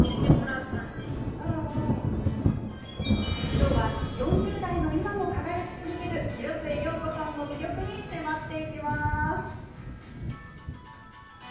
きょうは４０代の今も輝き続ける広末涼子さんの魅力に迫ります。